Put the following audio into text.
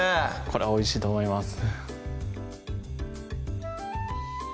これはおいしいと思います